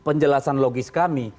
penjelasan logis kami